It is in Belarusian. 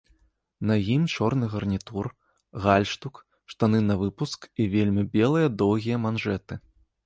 На ім чорны гарнітур, гальштук, штаны навыпуск і вельмі белыя доўгія манжэты.